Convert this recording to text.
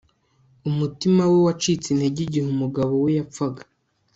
Umutima we wacitse intege igihe umugabo we yapfaga